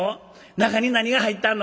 中に何が入ったぁんの？」。